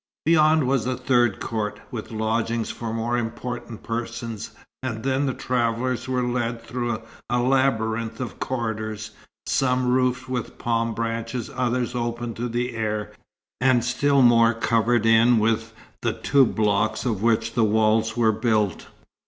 Beyond was the third court, with lodging for more important persons, and then the travellers were led through a labyrinth of corridors, some roofed with palm branches, others open to the air, and still more covered in with the toub blocks of which the walls were built.